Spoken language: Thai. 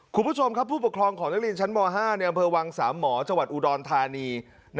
คุณผู้ชมครับผู้ปกครองของนักเรียนชั้นม๕ในอำเภอวังสามหมอจังหวัดอุดรธานี